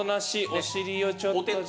お尻をちょっと。